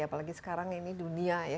apalagi sekarang ini dunia ya